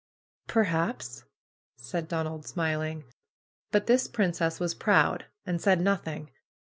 Perhaps !" said Donald smiling. ^'But this princess was proud, and said nothing.